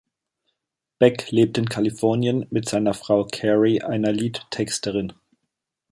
Beck lebt in Kalifornien mit seiner Frau Cari, einer Liedtexterin.